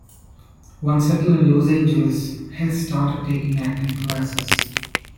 Once settled in Los Angeles, Hess started taking acting classes.